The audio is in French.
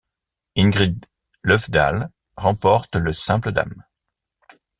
Ingrid Löfdahl remporte le simple dames.